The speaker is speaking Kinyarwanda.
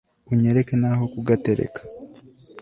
unyereke n'aho kugatereka